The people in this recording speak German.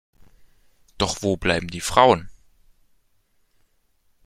Doch wo bleiben die Frauen?